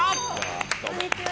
こんにちは。